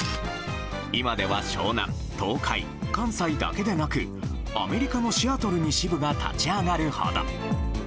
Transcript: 今では湘南、東海、関西だけでなくアメリカのシアトルに支部が立ち上がるほど。